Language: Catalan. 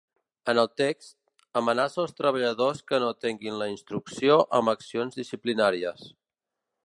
En el text, amenaça els treballadors que no atenguin la instrucció amb accions disciplinàries.